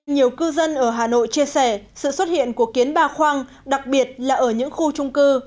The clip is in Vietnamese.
nhiều cư dân ở hà nội chia sẻ sự xuất hiện của kiến ba khoang đặc biệt là ở những khu trung cư